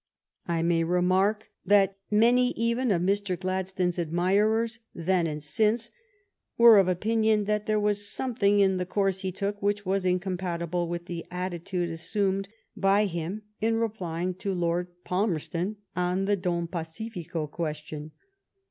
I may remark that many even of Mr. Gladstone s admirers, then and since, were of opinion that there was something in the course he took which was incompatible with the attitude assumed by him in replying to Lord Palmerston on the Don Pacifico question.